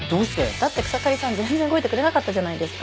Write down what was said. だって草刈さん全然動いてくれなかったじゃないですか。